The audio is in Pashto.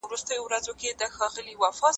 ستا يزداني هيلې چې نه شي پوره